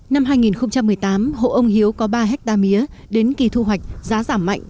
năm hai nghìn một mươi tám hộ ông hiếu có ba ha mía đến kỳ thu hoạch giá giảm mạnh